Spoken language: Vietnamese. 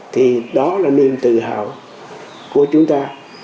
thì đó là niềm tự hào của chúng ta